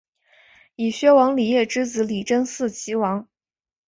以薛王李业之子李珍嗣岐王。